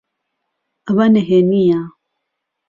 ئەوە نهێنییە؟